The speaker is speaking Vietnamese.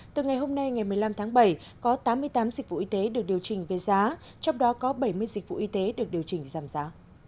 từ ngày hôm nay ngày một mươi năm tháng bảy có tám mươi tám dịch vụ y tế được điều chỉnh về giá trong đó có bảy mươi dịch vụ y tế được điều chỉnh giảm giá